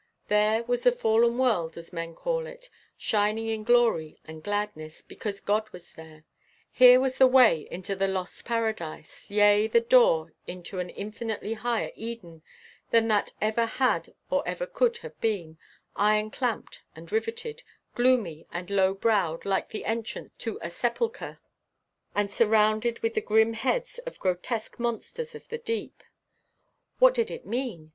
There was the fallen world, as men call it, shining in glory and gladness, because God was there; here was the way into the lost Paradise, yea, the door into an infinitely higher Eden than that ever had or ever could have been, iron clamped and riveted, gloomy and low browed like the entrance to a sepulchre, and surrounded with the grim heads of grotesque monsters of the deep. What did it mean?